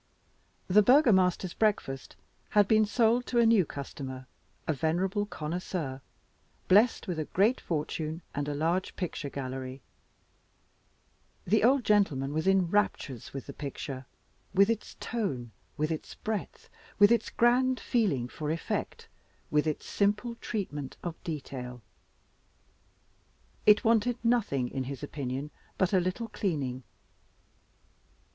"The Burgomaster's Breakfast" had been sold to a new customer, a venerable connoisseur, blessed with a great fortune and a large picture gallery. The old gentleman was in raptures with the picture with its tone, with its breadth, with its grand feeling for effect, with its simple treatment of detail. It wanted nothing, in his opinion, but a little cleaning.